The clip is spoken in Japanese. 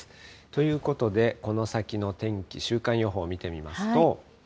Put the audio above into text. ということで、この先の天気、週間予報見てみますと。